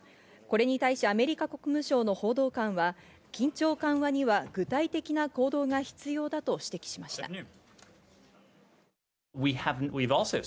これに対しアメリカ国務省の報道官は、緊張緩和には具体的な行動が必要だと指摘しました。